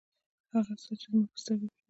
هغه څه چې زما په سترګو کې دي.